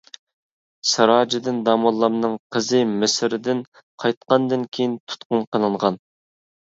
سىراجىدىن داموللامنىڭ قىزى مىسىردىن قايتقاندىن كېيىن تۇتقۇن قىلىنغان .